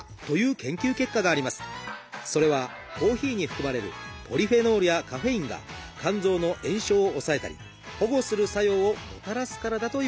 それはコーヒーに含まれるポリフェノールやカフェインが肝臓の炎症を抑えたり保護する作用をもたらすからだといわれています。